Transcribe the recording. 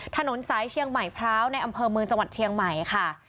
ถนนสายเชียงใหม่พร้าวในอำเภอเมืองจังหวัดเชียงใหม่ค่ะ